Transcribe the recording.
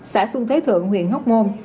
xã xuân thế thượng huyện hóc môn